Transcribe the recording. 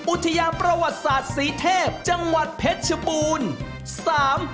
อุทยานประวัติศาสตร์ศรีเทพจังหวัดเพชรชบูรณ์